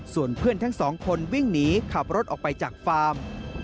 ส่วนเพื่อนทั้งสองคนวิ่งหนีขับรถออกไปจากฟาร์ม